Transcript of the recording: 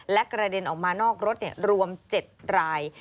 และกระเด็นออกมานอกรถรวม๗ราย